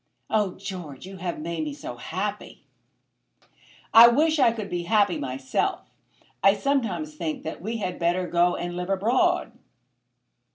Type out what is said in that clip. "Oh, George, you have made me so happy." "I wish I could be happy myself. I sometimes think that we had better go and live abroad."